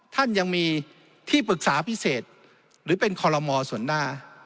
ท่านยังมีที่ปรึกษาพิเศษหรือเป็นคอลโลมอส่วนหน้า